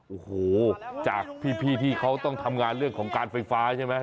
โอ้โหจากพี่ที่เขาต้องทำงานเรื่องของการไฟฟ้าใช่ไหม